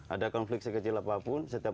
ada konflik sekecil apapun setiap